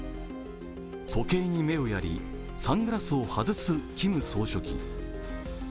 時計に目をやり、サングラスを外すキム総書記。